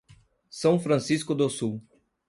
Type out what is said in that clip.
São Francisco do Sul